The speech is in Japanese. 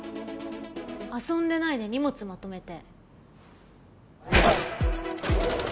遊んでないで荷物まとめて。